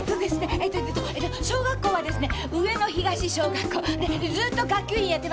えとえと小学校はですね上野東小学校。でずーっと学級委員やってました